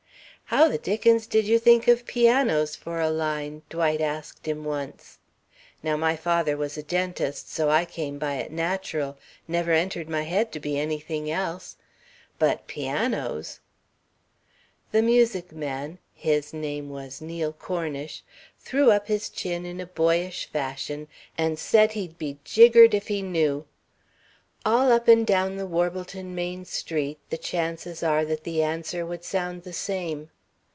"How the dickens did you think of pianos for a line?" Dwight asked him once. "Now, my father was a dentist, so I came by it natural never entered my head to be anything else. But pianos " The music man his name was Neil Cornish threw up his chin in a boyish fashion, and said he'd be jiggered if he knew. All up and down the Warbleton main street, the chances are that the answer would sound the same.